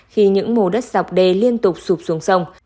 khi những mồ đất dọc đề liên tục sụp xuống sông